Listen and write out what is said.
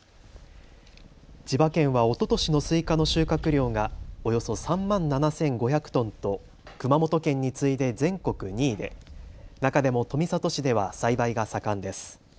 千葉県はおととしのスイカの収穫量がおよそ３万７５００トンと熊本県に次いで全国２位で中でも富里市では栽培が盛んです。